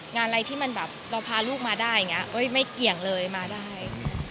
อะไรที่มันแบบเราพาลูกมาได้อย่างนี้ไม่เกี่ยงเลยมาได้